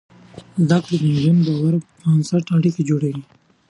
زده کړې نجونې د باور پر بنسټ اړيکې جوړوي.